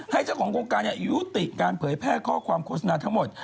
เจ้าของโครงการยุติการเผยแพร่ข้อความโฆษณาทั้งหมด